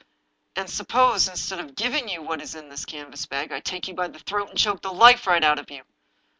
" And suppose, instead of giving you what is in this canvas bag, I take you by the throat and choke the life right out of you